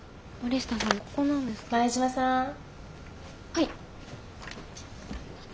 はい。